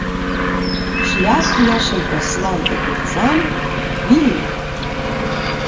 Шлях нашим Послам і купцям… вільний